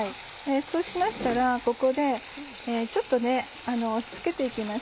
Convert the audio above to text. そうしましたらここでちょっと押し付けて行きます。